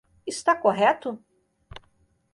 Está correto?